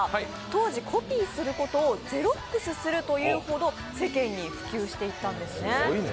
当時コピーすることをゼロックスすると言うほど世間に普及していたんですね。